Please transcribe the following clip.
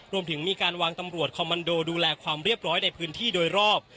รวมถึงมีการวางตำรวจคอมมันโดดูแลความเรียบร้อยในพื้นที่โดยรอบ